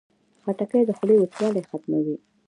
خټکۍ د خولې وچوالی ختموي.